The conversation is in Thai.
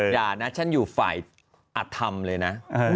อย่านะฉันอยู่ฝ่ายอธรรมเลยนะ